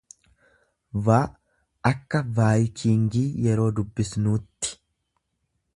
v akka Vaayikiingi yeroo dubbisnuutti.